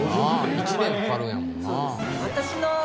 １年かかるんやもんな。